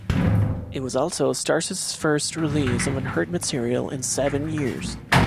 It was also Starr's first release of unheard material in seven years.